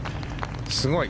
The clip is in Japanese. すごい。